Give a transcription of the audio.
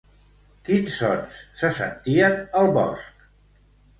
Quins sons se sentien al bosc?